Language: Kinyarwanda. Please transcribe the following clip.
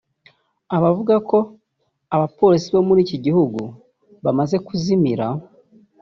biravuga ko abapolisi bo muri iki gihugu bamaze kuzimira